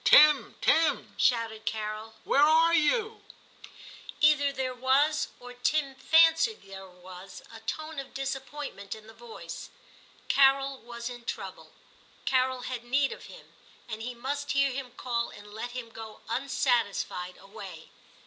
' Tim, Tim !' shouted Carol, * where are you ?' 272 TIM CHAP. Either there was, or Tim fancied there was, a tone of disappointment in the voice. Carol was in trouble ; Carol had need of him, and he must hear him call and let him go unsatisfied away.